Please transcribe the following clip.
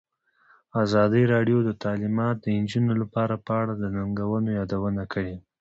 ازادي راډیو د تعلیمات د نجونو لپاره په اړه د ننګونو یادونه کړې.